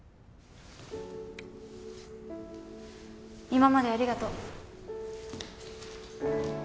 今までありがとう。